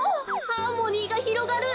ハーモニーがひろがる。